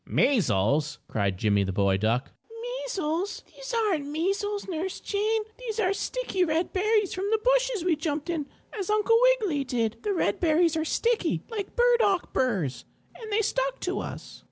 "Measles!" cried Jimmie, the boy duck. "Measles? These aren't measles, Nurse Jane! These are sticky, red berries from the bushes we jumped in as Uncle Wiggily did. The red berries are sticky, like burdock burrs, and they stuck to us."